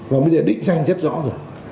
và bây giờ định danh rất rõ rồi